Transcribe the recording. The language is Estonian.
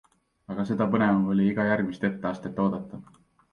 Aga seda põnevam oli iga järgmist etteastet oodata.